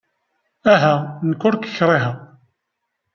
Aha, nekk ur k-kṛiheɣ.